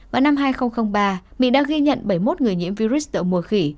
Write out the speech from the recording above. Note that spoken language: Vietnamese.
vào năm hai nghìn ba mỹ đã ghi nhận bảy mươi một người nhiễm virus mùa khỉ